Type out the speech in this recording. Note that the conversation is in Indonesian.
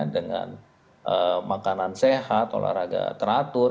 dengan makanan sehat olahraga teratur